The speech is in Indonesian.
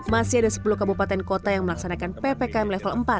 masih ada sepuluh kabupaten kota yang melaksanakan ppkm level empat